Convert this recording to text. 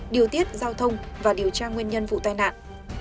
điều tiết giao thông và điều tra nguyên nhân vụ tai nạn